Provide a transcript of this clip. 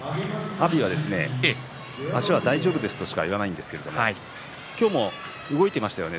阿炎は足は大丈夫ですとしか言わないんですけれども今日も動いていましたよね。